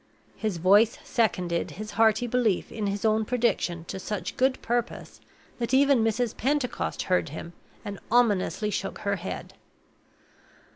His voice seconded his hearty belief in his own prediction to such good purpose that even Mrs. Pentecost heard him, and ominously shook her head.